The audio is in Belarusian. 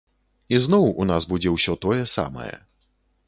Ізноў у нас будзе ўсё тое самае.